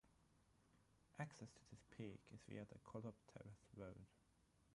Access to this peak is via the Kolob Terrace Road.